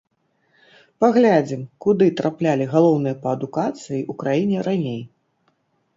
Паглядзім, куды траплялі галоўныя па адукацыі ў краіне раней.